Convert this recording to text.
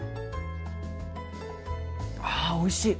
あおいしい！